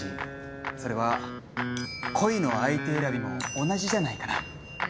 それは恋の相手選びも同じじゃないかな。